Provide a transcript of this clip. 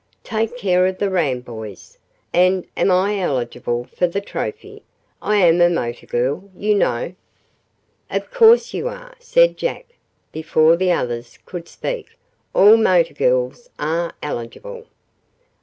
Take care of the ram, boys, and am I eligible for the trophy? I am a motor girl, you know." "Of course you are," said Jack, before the others could speak. "All motor girls are eligible."